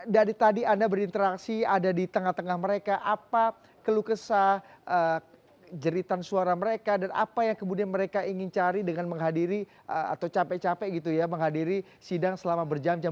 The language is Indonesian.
dari tadi anda berinteraksi ada di tengah tengah mereka apa kelukesan jeritan suara mereka dan apa yang kemudian mereka ingin cari dengan menghadiri atau capek capek gitu ya menghadiri sidang selama berjam jam